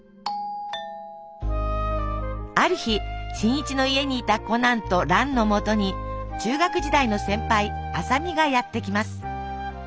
ある日新一の家にいたコナンと蘭のもとに中学時代の先輩麻美がやって来ます。